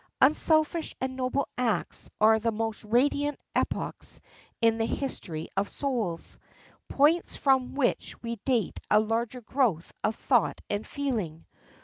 Unselfish and noble acts are the most radiant epochs in the history of souls, points from which we date a larger growth of thought and feeling.